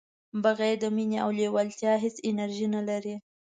بغیر د مینې او لیوالتیا هیڅ انرژي نه لرئ.